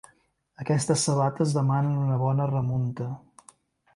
Aquestes sabates demanen una bona remunta.